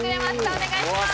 お願いします！